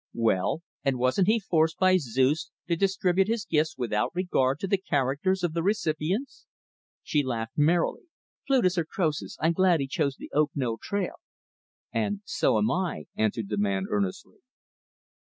"Well, and wasn't he forced by Zeus to distribute his gifts without regard to the characters of the recipients?" She laughed merrily. "Plutus or Croesus I'm glad he chose the Oak Knoll trail." "And so am I," answered the man, earnestly.